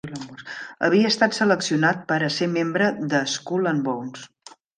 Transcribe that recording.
Havia estat seleccionat per a ser membre de Skull and Bones.